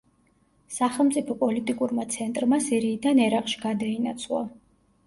სახელმწიფო პოლიტიკურმა ცენტრმა სირიიდან ერაყში გადაინაცვლა.